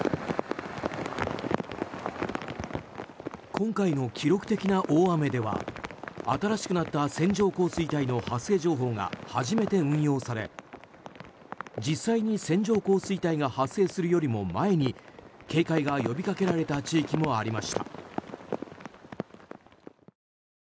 今回の記録的な大雨では新しくなった線状降水帯の発生情報が初めて運用され実際に線状降水帯が発生するよりも前に警戒が呼びかけられた地域もありました。